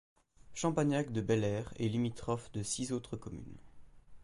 Champagnac-de-Belair est limitrophe de six autres communes.